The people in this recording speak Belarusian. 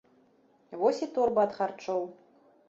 Вось і торба ад харчоў.